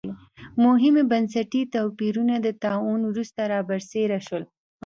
مهم بنسټي توپیرونه د طاعون وروسته را برسېره شول.